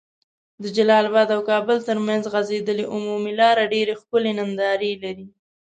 د جلال اباد او کابل تر منځ غځيدلي عمومي لار ډيري ښکلي ننداري لرې